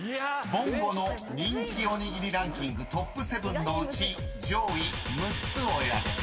［ぼんごの人気おにぎりランキングトップ７のうち上位６つを選べ］